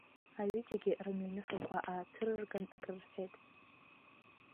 Аҩыџьагьы рымҩаныфақәа аацәырырган акрырфет.